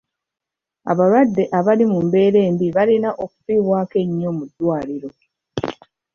Abalwadde abali mu mbeera embi balina okufiibwako ennyo mu ddwaliro.